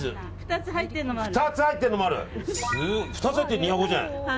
すごい！２つ入ってて２５０円。